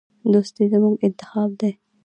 دوستي زموږ انتخاب دی.